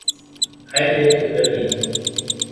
Hein lebt in Berlin.